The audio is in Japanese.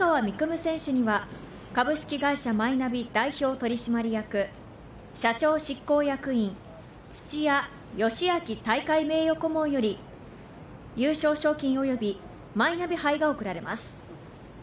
夢選手には株式会社マイナビ代表取締役、社長執行役員土屋芳明大会名誉顧問より優勝賞金及びマイナビ杯が贈られます。